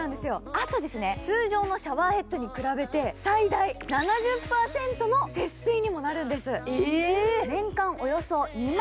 あと、通常のシャワーヘッドに比べて最大７０％も節水にもなるんです。